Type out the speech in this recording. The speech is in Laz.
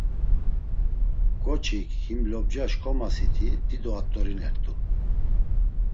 K̆oçik him lobca şǩomasiti dido at̆orinert̆u.